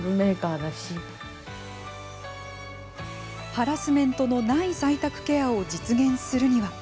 ハラスメントのない在宅ケアを実現するには。